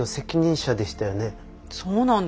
そうなんだ？